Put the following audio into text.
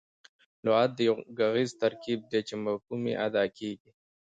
لغت یو ږغیز ترکیب دئ، چي مفهوم په اداء کیږي.